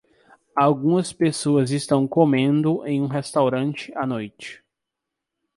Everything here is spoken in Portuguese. Algumas pessoas estão comendo em um restaurante à noite.